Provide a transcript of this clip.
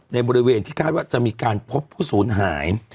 ในบริเวณที่คาดว่าจะมีการพบผู้สูญหาย